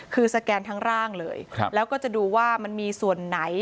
คือสแกนทั้งร่างเลยแล้วก็จะดูว่ามันมีส่วนไหน